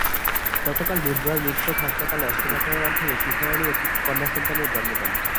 গতকাল বুধবার মিটফোর্ড হাসপাতালে অস্ত্রোপচারের মাধ্যমে শিখা রানী একটি কন্যাসন্তানের জন্ম দেন।